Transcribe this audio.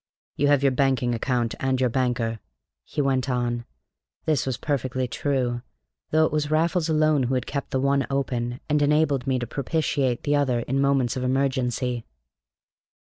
"You have your banking account, and your banker," he went on. This was perfectly true, though it was Raffles alone who had kept the one open, and enabled me to propitiate the other in moments of emergency.